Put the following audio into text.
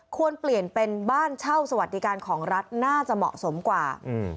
ควรเปลี่ยนเป็นบ้านเช่าสวัสดิการของรัฐน่าจะเหมาะสมกว่า